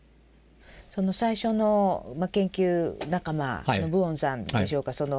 その最初の研究仲間のプオンさんでしょうか。